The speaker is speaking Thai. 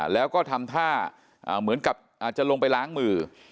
แล้วก็ทำท่าเหมือนกับอาจจะลงไปล้างมือ